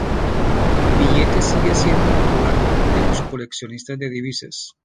El billete sigue siendo popular entre los coleccionistas de divisas.